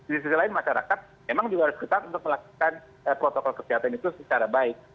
di sisi lain masyarakat memang juga harus ketat untuk melakukan protokol kesehatan itu secara baik